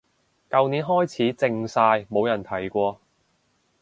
舊年開始靜晒冇人提過